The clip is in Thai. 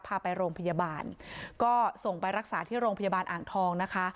พาไปโรงพยาบาลก็ส่งไปรักษาที่โรงพยาบาลอ่างทองนะคะ